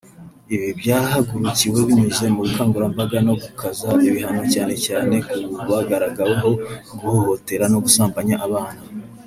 Ibi byarahagurukiwe binyuze mu bukangurambaga no gukaza ibihano cyane cyane ku bagaragaweho guhohotera no gusambanya abana